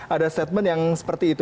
ada statement yang seperti itu